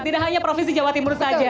tidak hanya provinsi jawa timur saja